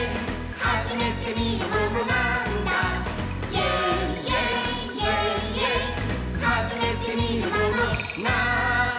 「はじめてみるものなぁーんだ？